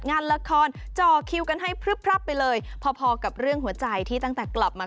งานละครจ่อคิวกันให้พลึบพรับไปเลยพอพอกับเรื่องหัวใจที่ตั้งแต่กลับมา